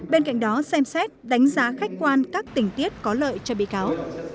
bên cạnh đó xem xét đánh giá khách quan các tình tiết có lợi cho bị cáo